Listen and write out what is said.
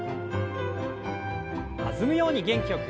弾むように元気よく。